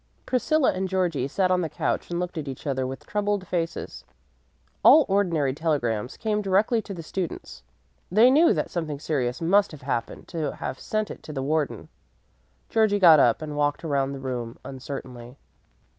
Priscilla and Georgie sat on the couch and looked at each other with troubled faces. All ordinary telegrams came directly to the students. They knew that something serious must have happened to have it sent to the warden. Georgie got up and walked around the room uncertainly.